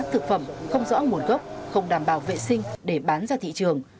thực phẩm không rõ nguồn gốc không đảm bảo vệ sinh để bán ra thị trường